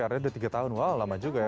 oke artinya udah tiga tahun wow lama juga ya